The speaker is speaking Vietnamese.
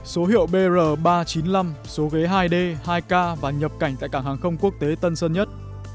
số hiệu br ba trăm chín mươi năm số ghế hai d hai k và nhập cảnh tại cảng hàng không quốc tế tân sơn nhất